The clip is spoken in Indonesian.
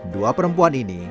dua perempuan ini